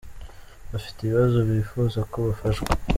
bafite ibibazo bifuza ko bafashwa.